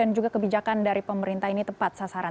dan juga kebijakan dari pemerintah ini tepat sasaran